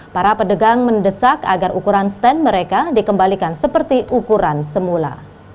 para pedagang mendesak agar ukuran stand mereka dikembalikan seperti ukuran semula